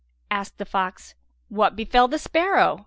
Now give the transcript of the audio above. Asked the fox, "What befel the sparrow?"